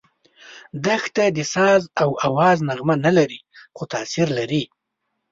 دښته د ساز او آواز نغمه نه لري، خو تاثیر لري.